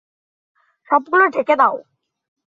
সবগুলো ঢেকে দাও!